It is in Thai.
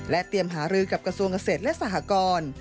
เตรียมหารือกับกระทรวงเกษตรและสหกร